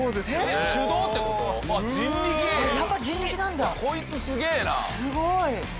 すごい！